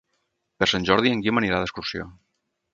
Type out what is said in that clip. Per Sant Jordi en Guim anirà d'excursió.